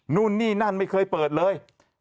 นู่นนี่นั่นไม่เคยเปิดเลย